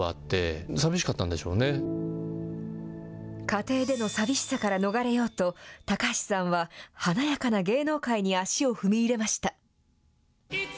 家庭での寂しさから逃れようと、高橋さんは、華やかな芸能界に足を踏み入れました。